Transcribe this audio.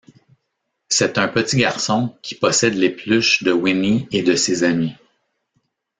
C'est un petit garçon, qui possède les peluches de Winnie et de ses amis.